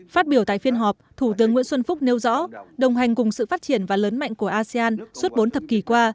phát biểu tại phiên họp thủ tướng nguyễn xuân phúc nêu rõ đồng hành cùng sự phát triển và lớn mạnh của asean suốt bốn thập kỷ qua